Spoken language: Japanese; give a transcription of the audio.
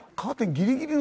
ギリギリの。